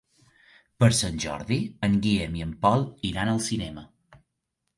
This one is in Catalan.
Per Sant Jordi en Guillem i en Pol iran al cinema.